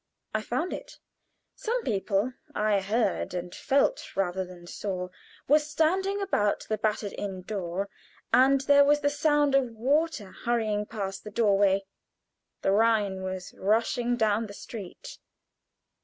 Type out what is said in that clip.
I found it. Some people I heard and felt rather than saw were standing about the battered in door, and there was the sound of water hurrying past the door way. The Rhine was rushing down the street.